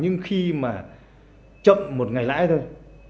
nhưng khi mà chậm một ngày lãi thôi